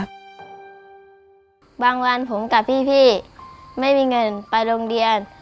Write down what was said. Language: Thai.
บางวันผมกับพี่ไม่มีเงินไปโรงเรียน